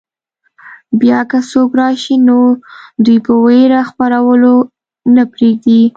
بیا که څوک راشي نو دوی په وېره خپرولو نه پرېږدي.